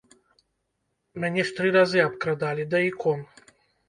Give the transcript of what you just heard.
Мяне ж тры разы абкрадалі, да ікон!